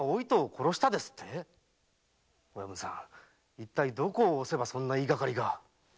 いったいどこを押せばそんな言いがかりが？